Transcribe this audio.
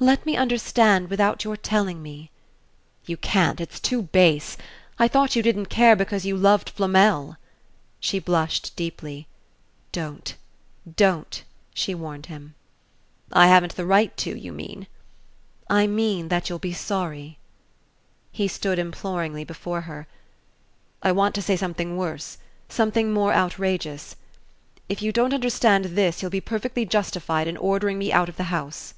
Let me understand without your telling me." "You can't. It's too base. I thought you didn't care because you loved Flamel." She blushed deeply. "Don't don't " she warned him. "I haven't the right to, you mean?" "I mean that you'll be sorry." He stood imploringly before her. "I want to say something worse something more outrageous. If you don't understand THIS you'll be perfectly justified in ordering me out of the house."